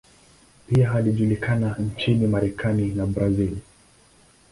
Pia alijulikana nchini Marekani na Brazil.